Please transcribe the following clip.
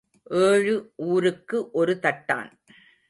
ஏழு ஊருக்கு ஒரு தட்டான்.